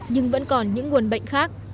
nhưng vẫn còn những nguồn bệnh khác